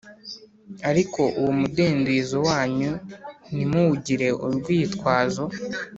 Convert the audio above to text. Ariko uwo mudendezo wanyu ntimuwugire urwitwazo